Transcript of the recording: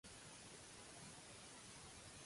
Vaig al carrer de Quesada.